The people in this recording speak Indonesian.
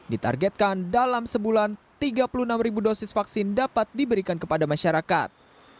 ditargetkan dalam sebulan tiga puluh enam dosis vaksin dapat diberikan kepada masyarakat